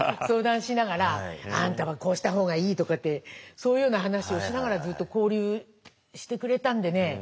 「あんたはこうした方がいい」とかってそういうふうな話をしながらずっと交流してくれたんでね